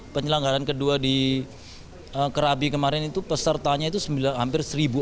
penyelenggaran kedua di kerabi kemarin itu pesertanya itu hampir seribu